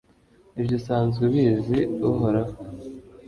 ibyo usanzwe ubizi, uhoraho